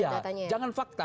iya jangan fakta